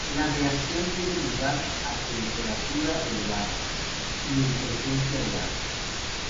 La reacción tiene lugar a temperatura elevada, y en presencia de agua.